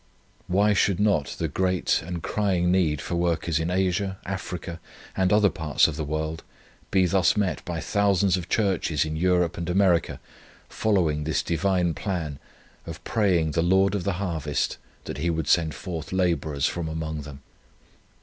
Why should not the great and crying need for workers in Asia, Africa, and other parts of the world be thus met by thousands of churches in Europe and America following this divine plan of praying the Lord of the harvest that He would send forth labourers from among them?